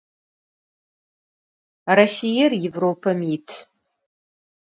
Rossiêr Yêvropem yit.